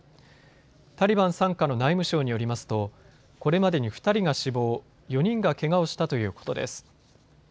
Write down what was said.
タリバン傘下の内務省によりますとこれまでに２人が死亡、４人がけがをしたということです。